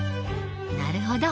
なるほど。